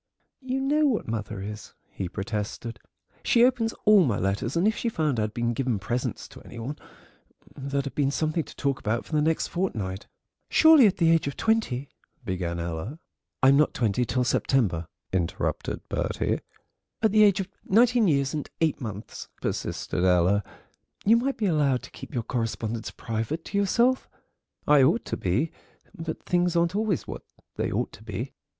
"You know what mother is," he protested; "she opens all my letters, and if she found I'd been giving presents to any one there'd have been something to talk about for the next fortnight." "Surely, at the age of twenty—" began Ella. "I'm not twenty till September," interrupted Bertie. "At the age of nineteen years and eight months," persisted Ella, "you might be allowed to keep your correspondence private to yourself." "I ought to be, but things aren't always what they ought to be.